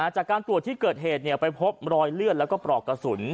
จากการตรวจที่เกิดเหตุไปพบรอยเลือดแล้วก็ปลอกกระสุน